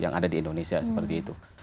yang ada di indonesia seperti itu